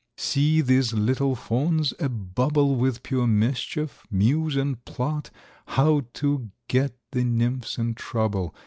See 1 these little fauns, a bubble With pure mischief, muse and plot How to get the nymphs in trouble.